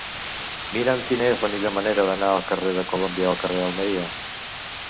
Mira'm quina és la millor manera d'anar del carrer de Colòmbia al carrer d'Almeria.